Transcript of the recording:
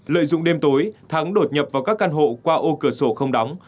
lợi dụng đêm tối thắng đột nhập vào các căn hộ qua ô cửa sổ không đóng